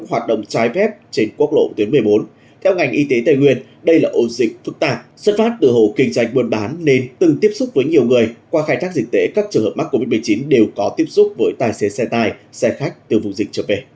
hãy đăng kí cho kênh lalaschool để không bỏ lỡ những video hấp dẫn